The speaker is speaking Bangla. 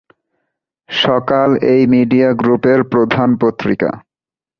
সকাল এই মিডিয়া গ্রুপের প্রধান পত্রিকা।